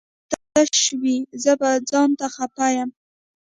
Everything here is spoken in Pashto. ټول ځايونه به تش وي زه به ځانته خپه يم